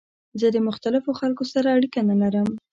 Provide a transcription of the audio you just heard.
زه د مختلفو خلکو سره اړیکه نه لرم.